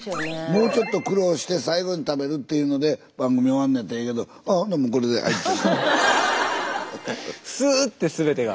もうちょっと苦労して最後に食べるっていうので番組終わるんやったらええけど「ああもうこれではい」。すって全てが。